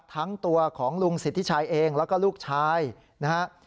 ทั้งตัวของลุงสิทธิชัยเองแล้วก็ลูกชายนะฮะ